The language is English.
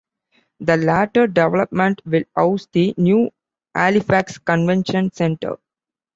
The latter development will house the new Halifax Convention Centre.